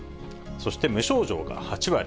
そして無症状が８割。